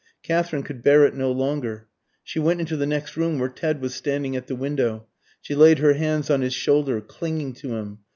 Katherine could bear it no longer. She went into the next room, where Ted was standing at the window. She laid her hands on his shoulder, clinging to him.